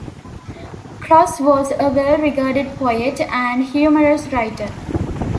Cros was a well-regarded poet and humorous writer.